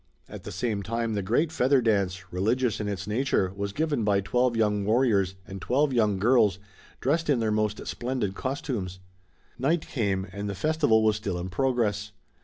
At the same time the great Feather Dance, religious in its nature, was given by twelve young warriors and twelve young girls, dressed in their most splendid costumes. Night came, and the festival was still in progress.